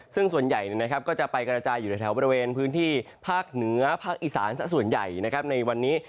ซึ่งส่วนใหญ่ก็จะไปกระจายอยู่ในแถวบริเวณพื้นที่ภาคเหนือภาคอีสานส่วนใหญ่ในวันนี้